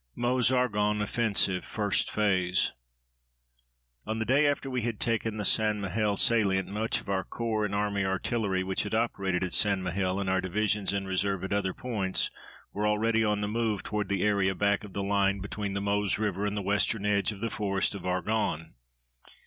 MEUSE ARGONNE OFFENSIVE, FIRST PHASE On the day after we had taken the St. Mihiel salient much of our corps and army artillery which had operated at St. Mihiel, and our divisions in reserve at other points, were already on the move toward the area back of the line between the Meuse River and the western edge of the Forest of Argonne.